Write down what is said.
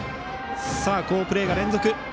好プレーが連続。